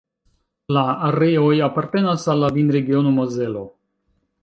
La areoj apartenas al la vinregiono Mozelo.